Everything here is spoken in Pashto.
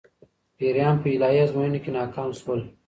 پيريان په الهي ازموينو کي ناکام سول